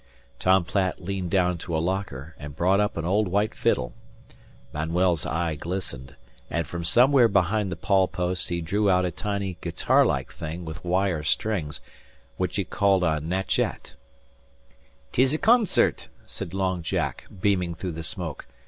Tom Platt leaned down to a locker and brought up an old white fiddle. Manuel's eye glistened, and from somewhere behind the pawl post he drew out a tiny, guitar like thing with wire strings, which he called a machette. "'Tis a concert," said Long Jack, beaming through the smoke.